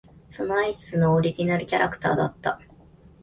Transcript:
そのアイスのオリジナルのキャラクターだった。